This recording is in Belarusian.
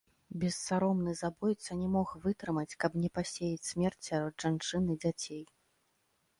Бессаромны забойца не мог вытрымаць, каб не пасеяць смерць сярод жанчын і дзяцей.